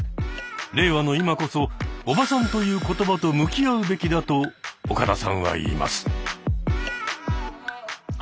令和の今こそ「おばさん」という言葉と向き合うべきだと岡田さんは言います。